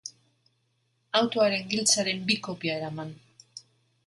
Autoaren giltzaren bi kopia eraman.